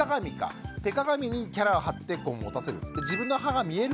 手鏡にキャラを貼って持たせる。